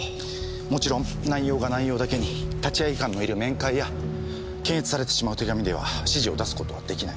もちろん内容が内容だけに立会官のいる面会や検閲されてしまう手紙では指示を出すことはできない。